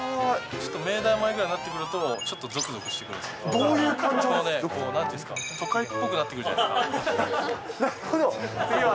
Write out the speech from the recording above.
ちょっと明大前ぐらいになってくると、ちょっとぞくぞくしてどういう感じ？なんていうんですか、都会っなるほど。